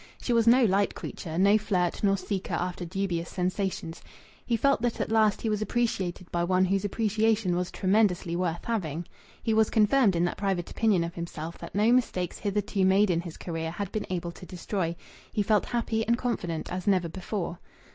She was no light creature, no flirt nor seeker after dubious sensations. He felt that at last he was appreciated by one whose appreciation was tremendously worth having. He was confirmed in that private opinion of himself that no mistakes hitherto made in his career had been able to destroy. He felt happy and confident as never before.